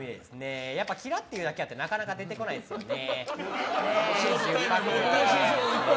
キラというだけあってなかなか出てこないですよね。